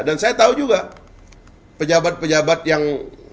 dan saya tahu juga pejabat pejabat yang